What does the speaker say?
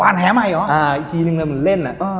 หวานแห่ใหม่หรออเจมส์อเจมส์อ่าอีกทีหนึ่งมันเล่น